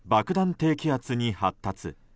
低気圧に発達。